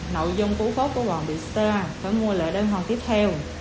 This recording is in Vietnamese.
nội dung của quốc của quảng bị xa phải mua lợi đơn hoàng tiếp theo